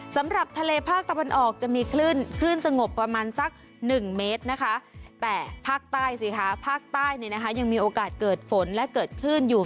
สำหรับทะเลภาคตะวันออกจะมีคลื่นคลื่นสงบประมาณสักหนึ่งเมตรนะคะแต่ภาคใต้สิคะภาคใต้เนี่ยนะคะยังมีโอกาสเกิดฝนและเกิดคลื่นอยู่